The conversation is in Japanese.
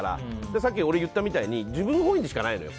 さっき俺が言ったみたいに自分本位でしかないのよ。